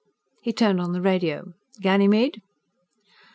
He turned to the radio. "Ganymede?"